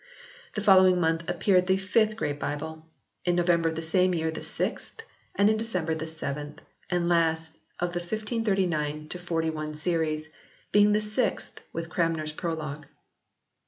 The following month appeared the fifth Great Bible ; in November of the same year the sixth ; and in December the seventh and last of the 1539 41 series, being the sixth with Cranmer s prologue.